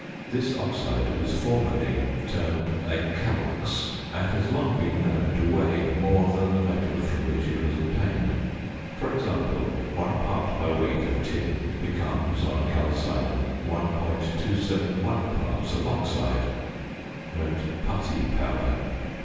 This oxide was formerly termed a "calx," and has long been known to weigh more than the metal from which it was obtained. For example, one part by weight of tin becomes, on calcining, 1.271 parts of oxide (putty powder).